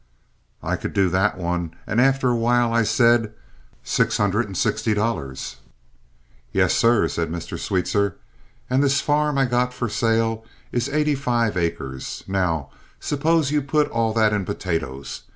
I could do that one, and after awhile I said "$660." "Yes, sir," said Mr. Sweetser. "And this farm I got for sale is eighty five acres. Now, suppose you put all that in potatoes.